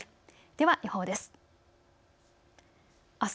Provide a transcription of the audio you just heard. では予報です。